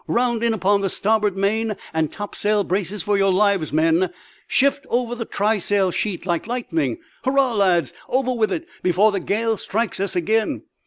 "Round in upon the starboard main and topsail braces, for your lives, men; shift over the trysail sheet like lightning! Hurrah, lads! over with it before the gale strikes us again!